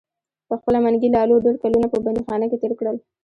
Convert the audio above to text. پخپله منګي لالو ډیر کلونه په بندیخانه کې تیر کړل.